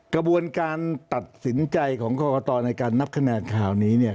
กระบวนการตัดสินใจของกรกตในการนับคะแนนคราวนี้เนี่ย